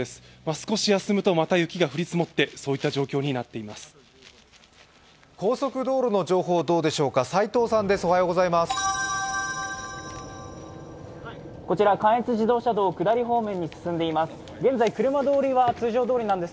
少し休むとまた雪が降り積もってそういった状況になっています。